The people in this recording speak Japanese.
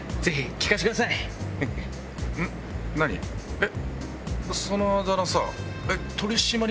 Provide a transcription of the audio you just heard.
えっ？